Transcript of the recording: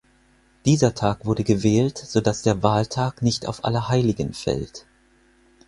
Dieser Tag wurde gewählt, so dass der Wahltag nicht auf Allerheiligen fällt.